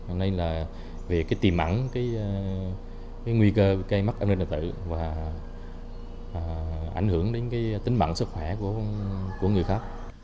nên là về cái tìm ảnh cái nguy cơ cây mắc âm linh tự và ảnh hưởng đến cái tính mạnh sức khỏe